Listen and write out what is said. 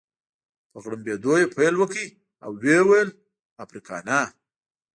په غړمبېدو يې پیل وکړ او ويې ویل: افریقانا.